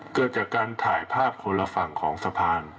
เกิดจากการถ่ายภาพคนละฝั่งของสะพาน